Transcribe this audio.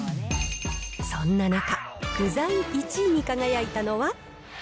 そんな中、具材１位に輝いたのは。